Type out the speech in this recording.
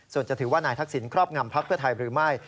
ส่วนจะถือว่านายทักษิณครอบงำพักเพื่อไทยหรือไม่